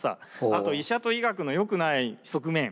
あと医者と医学のよくない側面。